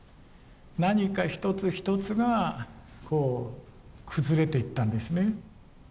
何か一つ一つがこう崩れていったんですね。